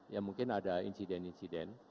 ya mungkin ada insiden insiden